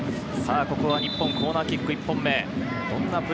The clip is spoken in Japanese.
日本のコーナーキック、１本目。